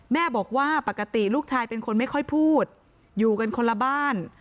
แม่บอกว่าปกติลูกชายเป็นคนไม่ค่อยพูดอยู่กันคนละบ้าน